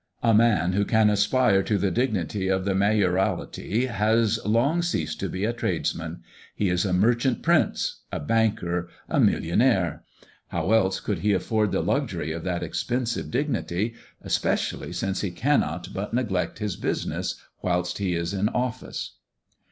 A man who can aspire to the dignity of the mayoralty has long ceased to be a tradesman; he is a merchant prince, a banker, a millionaire. How else could he afford the luxury of that expensive dignity, especially since he cannot but neglect his business whilst he is in office.